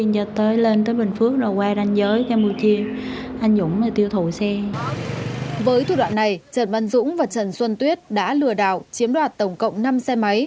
với thủ đoạn này trần văn dũng và trần xuân tuyết đã lừa đảo chiếm đoạt tổng cộng năm xe máy